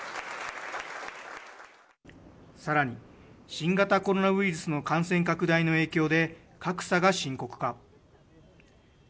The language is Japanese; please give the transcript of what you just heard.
さらに新型コロナウイルスの感染拡大の影響で格差が深刻化。